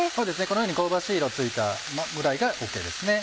このように香ばしい色ついたぐらいがＯＫですね。